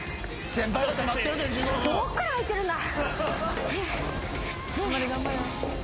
どっから入ってるんだ？